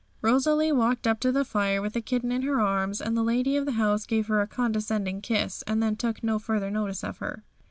Rosalie walked up to the fire with the kitten in her arms, and the lady of the house gave her a condescending kiss, and then took no further notice of her.